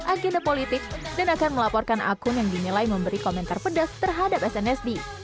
snsd juga menanggapi hal tersebut dan akan melaporkan akun yang dinilai memberi komentar pedas terhadap snsd